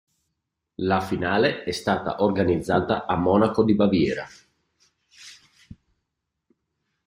La finale è stata organizzata a Monaco di Baviera.